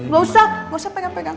gak usah gak usah pegang pegang